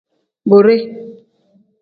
Bode.